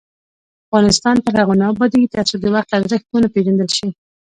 افغانستان تر هغو نه ابادیږي، ترڅو د وخت ارزښت ونه پیژندل شي.